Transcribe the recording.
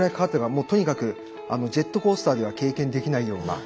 もうとにかくジェットコースターでは経験できないような。